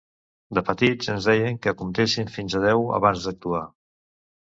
De petits ens deien que comptessim fins a deu abans d'actuar